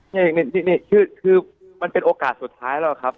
นี่นี่นี่นี่คือคือมันเป็นโอกาสสุดท้ายแล้วครับ